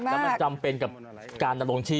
แล้วมันจำเป็นกับการดำรงชีพ